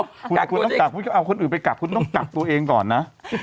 คุณต้องกักคุณจะเอาคนอื่นไปกักคุณต้องกักตัวเองก่อนนะ